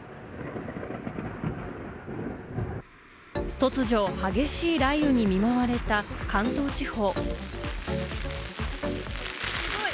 突如、激しい雷雨に見舞われた関東地方。